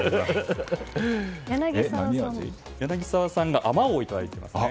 柳澤さんはあまおうをいただいていますね。